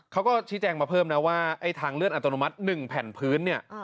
เขาก็ชี้แจงมาเพิ่มว่าทางเลือดอัตโนมัติ๑แผ่นพื้น